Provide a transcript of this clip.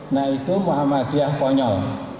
nah itu muhammadiyah konyol